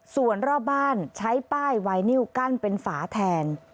ส่วนรอบบ้านใช้ป้ายไวนิวกั้นเป็นฝาแทน